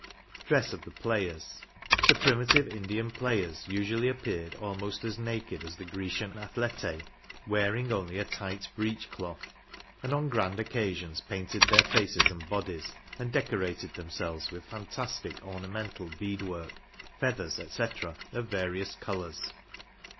DRESS OF THE PLAYERS. The primitive Indian players usually appeared almost as naked as the Grecian athletae, wearing only a tight breech cloth ; and on grand occasions painted their faces and bodies, and decorated them selves with fantastic ornamental bead work, feathers &c., of various colors.